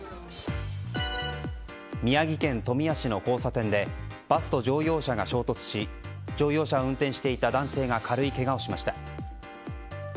宮城県富谷市の交差点でバスと乗用車が衝突し乗用車を運転していた男性が軽いけがをしました。